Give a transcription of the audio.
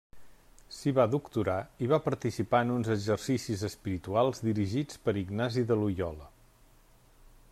S'hi va doctorar i va participar en uns exercicis espirituals dirigits per Ignasi de Loiola.